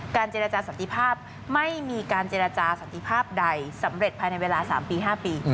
เจรจาสันติภาพไม่มีการเจรจาสันติภาพใดสำเร็จภายในเวลา๓ปี๕ปี